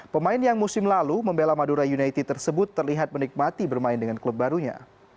pemain yang musim lalu membela madura united tersebut terlihat menikmati bermain dengan klub barunya